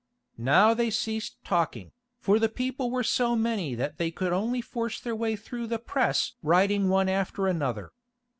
Now they ceased talking, for the people were so many that they could only force their way through the press riding one after the other.